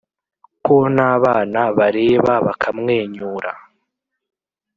ko n'abana bareba bakamwenyura.